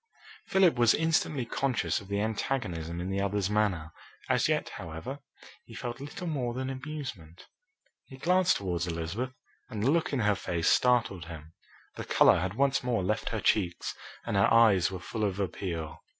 Philip was instantly conscious of the antagonism in the other's manner. As yet, however, he felt little more than amusement. He glanced towards Elizabeth, and the look in her face startled him. The colour had once more left her cheeks and her eyes were full of appeal.